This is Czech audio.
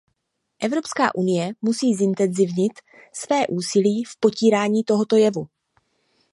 Evropská unie musí zintenzívnit své úsilí v potírání tohoto jevu.